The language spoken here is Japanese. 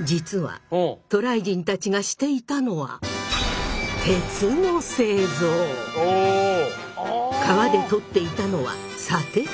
実は渡来人たちがしていたのは川で採っていたのは砂鉄。